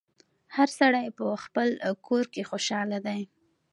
هر سړی په خپل کور کي خوشحاله دی